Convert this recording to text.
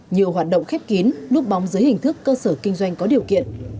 nhiều hoạt động khép kín núp bóng dưới hình thức cơ sở kinh doanh có điều kiện